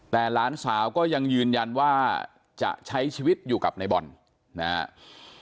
แต่หลานสาวก็ยังยืนยันว่าจะใช้ชีวิตอยู่กับในบอลนะครับ